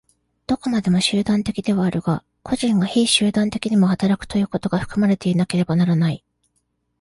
どこまでも集団的ではあるが、個人が非集団的にも働くということが含まれていなければならない。